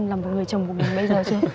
là một người chồng của mình bây giờ chưa